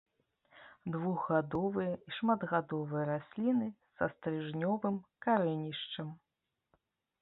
Двухгадовыя і шматгадовыя расліны са стрыжнёвым карэнішчам.